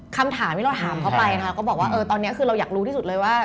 คำถามที่เราถามเขาไปนะคะก็บอกว่าตอนนี้คือเราอยากรู้ที่สุดเลยว่า